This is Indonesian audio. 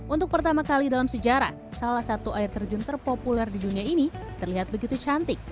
untuk pertama kali dalam sejarah salah satu air terjun terpopuler di dunia ini terlihat begitu cantik